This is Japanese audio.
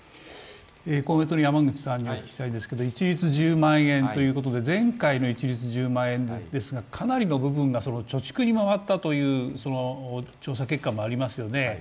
公明党の山口さんに聞きたいんですが一律１０万円ということで、前回の１０万円ですがかなりの部分が貯蓄に回ったという調査結果もありますよね。